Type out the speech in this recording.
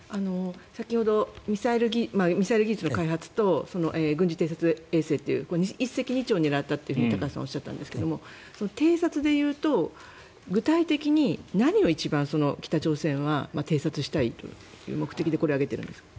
先ほどミサイル技術の開発と軍事偵察衛星という一石二鳥を狙ったと高橋さんおっしゃったんですが偵察で言うと具体的に何を一番、北朝鮮は偵察したいという目的でこれを上げているんですか。